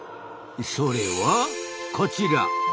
それはこちら。